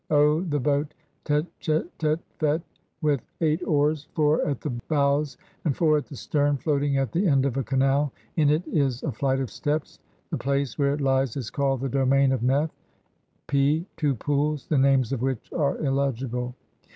(o) The boat Tchetetfet with eight oars, four at the bows and four at the stern, floating at the end of a canal ; in it is a flight of steps. The place where it lies is called the "Domain of Neth". (p) Two Pools, the names of which are illegible.